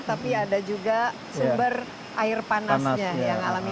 tapi ada juga sumber air panasnya yang alami